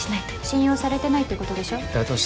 信用されてないってことでしょ。